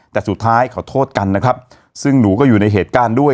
แต่สุดท้ายขอโทษกันนะครับซึ่งหนูก็อยู่ในเหตุการณ์ด้วย